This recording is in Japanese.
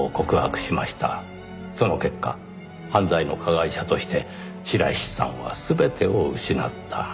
その結果犯罪の加害者として白石さんは全てを失った。